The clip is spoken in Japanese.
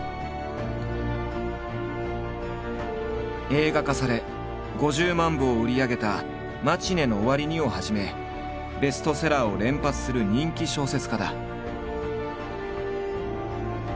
映画化され５０万部を売り上げた「マチネの終わりに」をはじめベストセラーを連発する人気小説家だ。